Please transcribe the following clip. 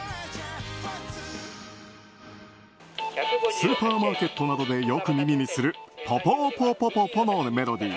スーパーマーケットなどでよく耳にするポポーポポポポのメロディー。